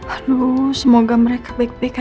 aduh semoga mereka baik baik aja